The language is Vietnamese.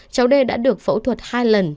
cháu d đã được phẫu thuật hai lần